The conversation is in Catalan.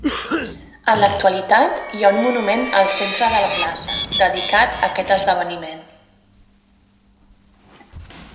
En l'actualitat hi ha un monument al centre de la plaça, dedicat a aquest esdeveniment.